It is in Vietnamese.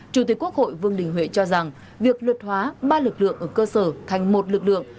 chủ tịch quốc hội vương đình huệ cho rằng việc luật hóa ba lực lượng ở cơ sở thành một lực lượng